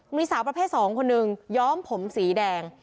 มีสาวประเภท๒คนหนึ่งย้อมผมสีแดง